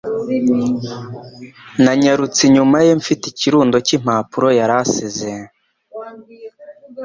Nanyarutse inyuma ye mfite ikirundo cy'impapuro yari asize.